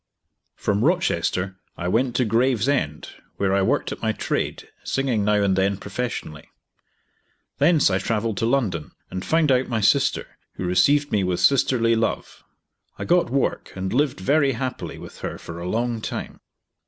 From Rochester I went to Gravesend, where I worked at my trade, singing now and then professionally. Thence I travelled to London and found out my sister, who received me with sisterly love. I got work and lived very happily with her for a long time.